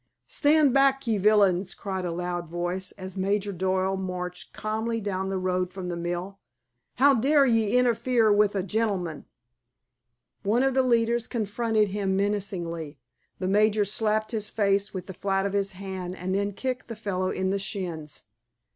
"Stand back, ye villains!" cried a loud voice, as Major Doyle marched calmly down the road from the mill; "how dare ye interfere with a gentleman?" One of the leaders confronted him menacingly. The major slapped his face with the flat of his hand and then kicked the fellow in the shins.